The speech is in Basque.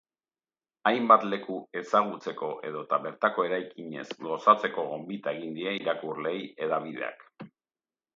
Hainbat leku ezagutzeko edota bertako eraikinez gozatzeko gonbita egin die irakurleei hedabideak.